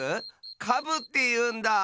カブっていうんだ！